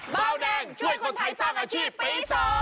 เบาแดงช่วยคนไทยสร้างอาชีพปี๒